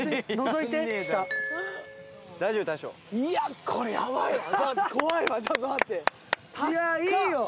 いやいいよ。